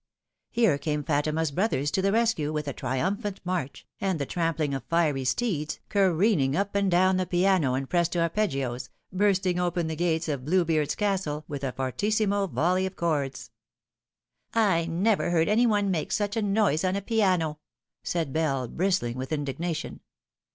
Here came Fatima's brothers to the rescue, with a triumphant march, and the trampling of fiery steeds, careering up and down the AU She could Remember. 25 piano in presto arpeggios, bursting open the gates of Bluebeard's Castle with a fortissimo volley of chords. "/ never heard any one make such a noise on a piano," said Bell, bristling with indignation.